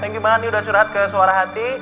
thank you banget nih udah curhat ke suara hati